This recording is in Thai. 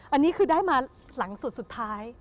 อันนี้คือได้มาหลังสุดสุดท้าย